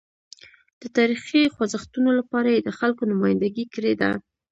د تاریخي خوځښتونو لپاره یې د خلکو نمایندګي کړې ده.